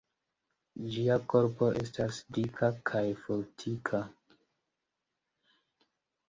Ĝia korpo estas dika kaj fortika.